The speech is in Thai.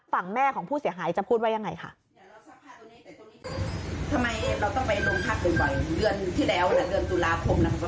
ฝั่งแม่ของผู้เสียหายจะพูดว่ายังไงค่ะ